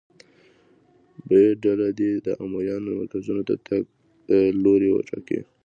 ب ډله دې د امویانو مرکزونو ته تګ لوری وټاکي.